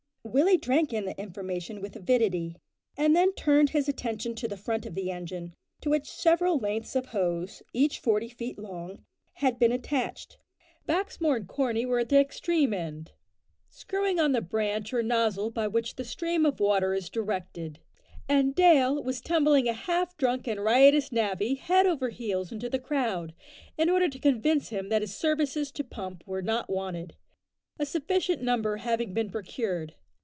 Willie drank in the information with avidity, and then turned his attention to the front of the engine, to which several lengths of hose, each forty feet long, had been attached. Baxmore and Corney were at the extreme end, screwing on the "branch" or nozzle by which the stream of water is directed, and Dale was tumbling a half drunk and riotous navvy head over heels into the crowd, in order to convince him that his services to pump were not wanted a sufficient number having been procured.